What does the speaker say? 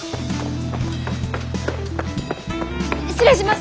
失礼します！